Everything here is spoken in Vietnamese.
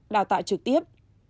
đào tạo trực tiếp